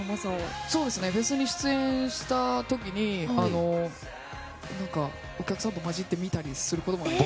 フェスに出演した時にお客さんと混じって見たりすることもあります。